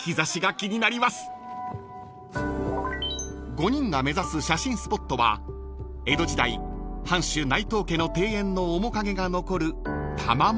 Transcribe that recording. ［５人が目指す写真スポットは江戸時代藩主内藤家の庭園の面影が残る玉藻池］